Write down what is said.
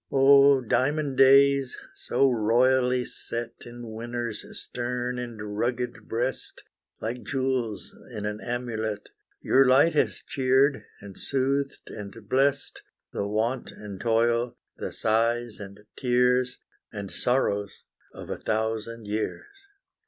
Oh, diamond days, so royally set In winter's stern and rugged breast, Like jewels in an amulet, Your light has cheered, and soothed, and blest, The want and toil, the sighs and tears, And sorrows of a thousand years!